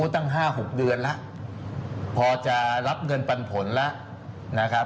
ตั้ง๕๖เดือนแล้วพอจะรับเงินปันผลแล้วนะครับ